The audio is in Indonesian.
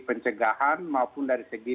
pencegahan maupun dari segi